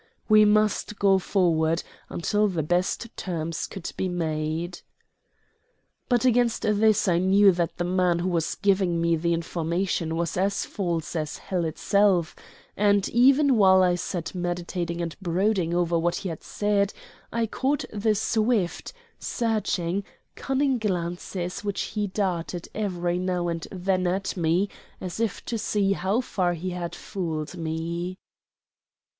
We must go forward until the best terms could be made. But against this I knew that the man who was giving me the information was as false as hell itself; and, even while I sat meditating and brooding over what he had said, I caught the swift, searching, cunning glances which he darted every now and then at me as if to see how far he had fooled me.